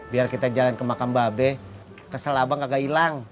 biar kita jalan ke makam babe ke selabang kagak hilang